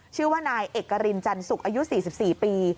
ชื่อว่านายเอกรินจันสุกอายุ๔๔ปี